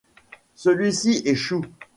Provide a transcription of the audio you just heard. Celui-ci échoue.